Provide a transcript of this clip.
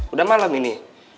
udah malem ini